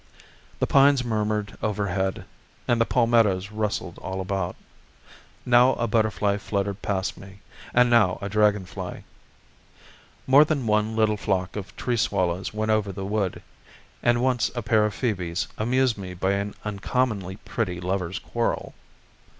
The pines murmured overhead, and the palmettos rustled all about. Now a butterfly fluttered past me, and now a dragonfly. More than one little flock of tree swallows went over the wood, and once a pair of phoebes amused me by an uncommonly pretty lover's quarrel.